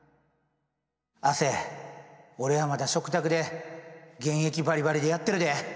亜生俺はまだ食卓で現役バリバリでやってるで。